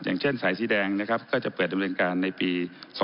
อย่างเช่นสายสีแดงนะครับก็จะเปิดดำเนินการในปี๒๕๖